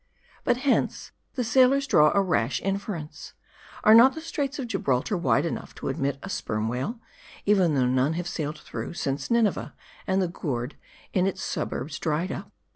But hence, the sailors draw a rash inference. Are not the Straits of Gibralter wide enough to admit a sperm whale, even though none have sailed through, since Nineveh and the gourd in its suburbs dried up